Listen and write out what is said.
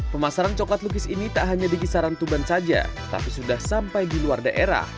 pemasaran coklat lukis ini tak hanya di kisaran tuban saja tapi sudah sampai di luar daerah